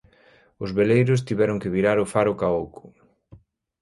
Os veleiros tiveron que virar o faro Caouco.